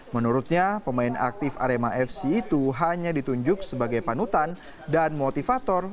menurutnya pemain aktif arema fc itu hanya ditunjuk sebagai panutan dan motivator